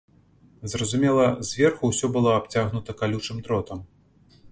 Зразумела, зверху ўсё было абцягнута калючым дротам.